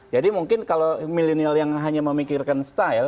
jadi mungkin kalau milenial yang hanya memiliki gaya hidup dia juga bisa memiliki gaya hidup